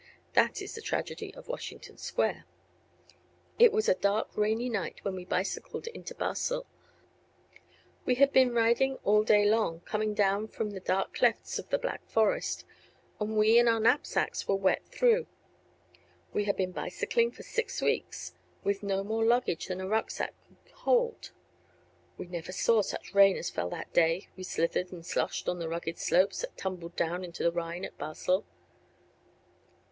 That is the tragedy of Washington Square. It was a dark, rainy night when we bicycled into Basel. We hid been riding all day long, coming down from the dark clefts of the Black Forest, and we and our knapsack were wet through. We had been bicycling for six weeks with no more luggage than a rucksack could hold. We never saw such rain as fell that day we slithered and sloshed on the rugged slopes that tumble down to the Rhine at Basel.